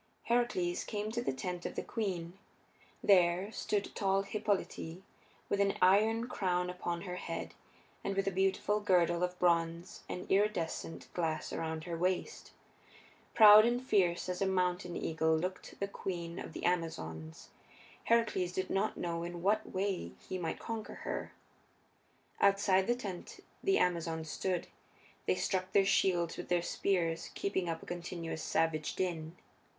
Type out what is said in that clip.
Heracles came to the tent of the queen. There stood tall Hippolyte with an iron crown upon her head and with a beautiful girdle of bronze and iridescent glass around her waist. Proud and fierce as a mountain eagle looked the queen of the Amazons: Heracles did not know in what way he might conquer her. Outside the tent the Amazons stood; they struck their shields with their spears, keeping up a continuous savage din.